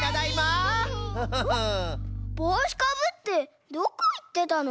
ぼうしかぶってどこいってたの？